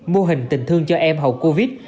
mô hình tình thương cho em hầu covid